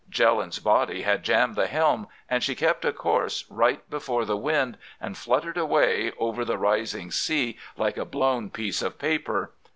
Jelland's body had jammed the helm, and she kept a course right before the wind, and fluttered away over the rising sea like a blown piece of paper.